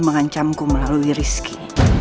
mengancamku melalui rizky